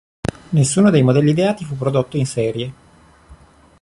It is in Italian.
Nessuno dei modelli ideati fu prodotto in serie.